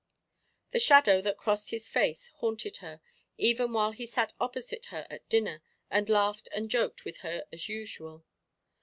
The shadow that crossed his face haunted her, even while he sat opposite her at dinner and laughed and joked with her as usual.